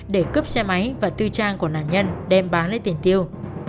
để cướp xe máy và tư trang của nạn nhân đem bán lấy tiền tiêu